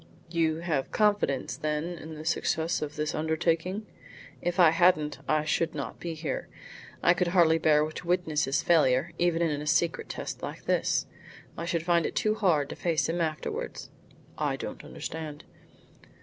"You have confidence then in the success of this undertaking?" "If I hadn't, I should not be here. I could hardly bear to witness his failure, even in a secret test like this. I should find it too hard to face him afterwards." "I don't understand."